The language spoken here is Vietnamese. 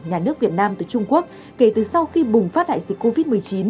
nhà nước việt nam từ trung quốc kể từ sau khi bùng phát đại dịch covid một mươi chín